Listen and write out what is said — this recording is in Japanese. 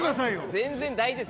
全然大丈夫です